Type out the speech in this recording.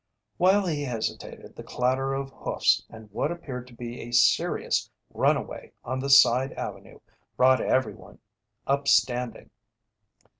While he hesitated, the clatter of hoofs and what appeared to be a serious runaway on the side avenue brought everyone up standing.